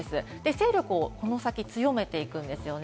勢力をこの先、強めていくんですよね。